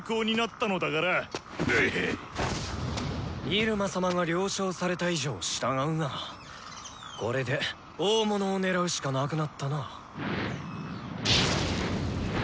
入間様が了承された以上従うがこれで大物を狙うしかなくなったな。